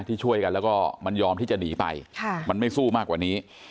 ที่ช่วยกันแล้วก็มันยอมที่จะหนีไปมันไม่สู้มากกว่านี้